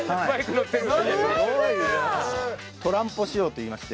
トランポ仕様といいまして。